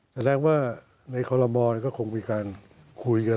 แสดงว่าในคอลโมก็คงมีการคุยกัน